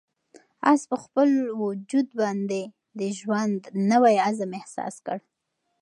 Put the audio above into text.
آس په خپل وجود باندې د ژوند نوی عزم احساس کړ.